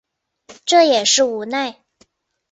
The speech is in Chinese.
这也是无奈